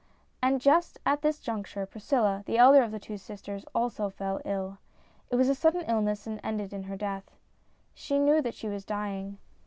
And just at this juncture Priscilla, the elder of the two sisters, also fell ill. It was a sudden illness, and ended in her death. She knew that she was dying.